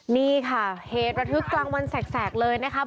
นี่ค่ะเหตุระทึกกลางวันแสกเลยนะคะ